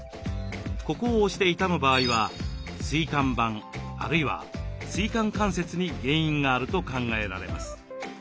ここを押して痛む場合は椎間板あるいは椎間関節に原因があると考えられます。